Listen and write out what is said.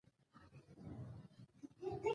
د ماهویه لپاره سوري نژاد لیکلی.